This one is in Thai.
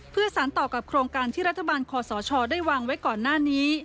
เพื่อสารต่อกับโครงการที่รัฐบาลคอสชได้วางไว้ก่อนหน้านี้